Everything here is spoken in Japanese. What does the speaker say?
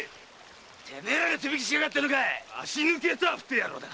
てめえらが手引きしやがったのかい⁉足抜けとはふてえ野郎だ。